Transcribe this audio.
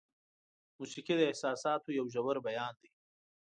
موسیقي د احساساتو یو ژور بیان دی.